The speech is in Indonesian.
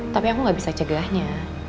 tapi aku gak bisa cegahnya